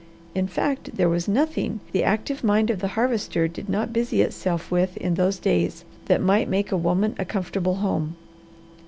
In fact there was nothing the active mind of the Harvester did not busy itself with in those days that might make a woman a comfortable home.